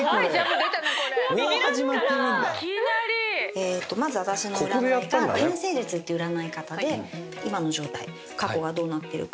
えーっとまず私の占いが天星術っていう占い方で今の状態過去がどうなってるか